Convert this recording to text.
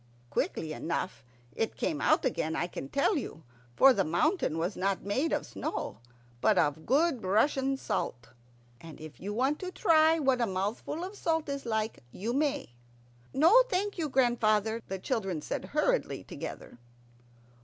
Quickly enough it came out again, I can tell you, for the mountain was not made of snow but of good Russian salt. And if you want to try what a mouthful of salt is like, you may. "No, thank you, grandfather," the children said hurriedly together.